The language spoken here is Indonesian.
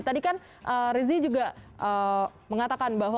tadi kan rizie juga mengatakan bahwa